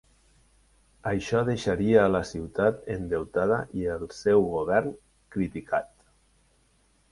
Això deixaria a la ciutat endeutada i el seu govern criticat.